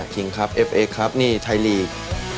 คิงครับเอฟเอ็กครับนี่ไทยลีก